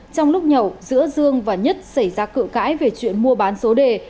trong lúc nhậu giữa dương và nhất xảy ra cự cãi về chuyện mua bán số đề